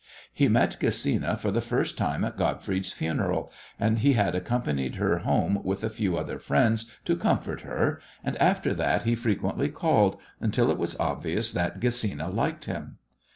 He met Gesina for the first time at Gottfried's funeral, and he had accompanied her home with a few other friends to comfort her, and after that he frequently called, until it was obvious that Gesina liked him.